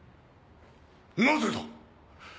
なぜだ！？